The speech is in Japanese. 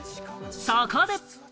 そこで！